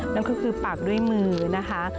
นั่นก็คือปากด้วยมือนะคะ